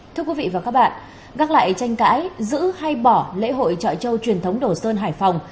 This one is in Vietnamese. thưa quý vị và các bạn gác lại tranh cãi giữ hay bỏ lễ hội trọi trâu truyền thống đồ sơn hải phòng